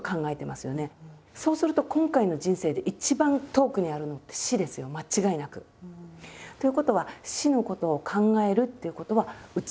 そうすると今回の人生で一番遠くにあるのって「死」ですよ間違いなく。ということはって思ってるんですね